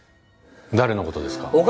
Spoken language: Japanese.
誰のことですか？